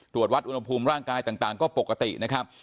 ตรวจวัดอุณหภูมิร่างกายต่างก็ปกตินะครับ